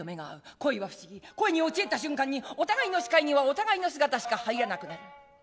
恋は不思議恋に陥った瞬間にお互いの視界にはお互いの姿しかはいらなくなる。